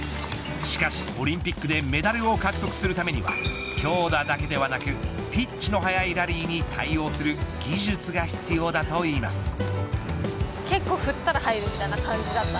しかし、オリンピックでメダルを獲得するためには強打だけではなくピッチの速いラリーに対応する技術が必要だといいます。